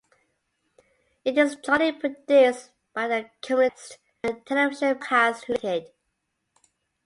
It is jointly produced by The Community Chest and Television Broadcast Limited.